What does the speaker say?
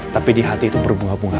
tapi di hati itu berbuah bunga